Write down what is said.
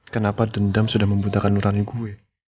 kenapa dendam sudah membuntakan urani gue